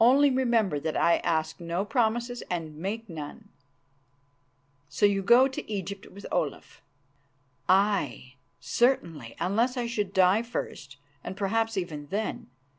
Only remember that I ask no promises and make none." "So you go to Egypt with Olaf?" "Aye, certainly, unless I should die first, and perhaps even then.